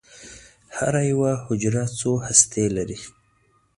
هره یوه حجره څو هستې لري.